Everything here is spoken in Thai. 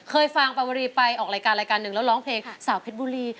เคยฟังปาวรีไปออกรายการรายการหนึ่งแล้วร้องเพลงสาวเพชรบุรี